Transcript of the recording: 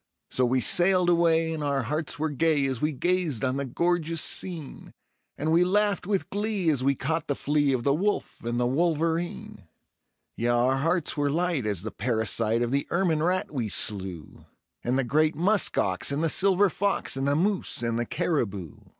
So we sailed away and our hearts were gay as we gazed on the gorgeous scene; And we laughed with glee as we caught the flea of the wolf and the wolverine; Yea, our hearts were light as the parasite of the ermine rat we slew, And the great musk ox, and the silver fox, and the moose and the caribou.